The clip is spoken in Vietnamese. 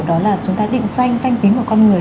đó là chúng ta định danh danh tính của con người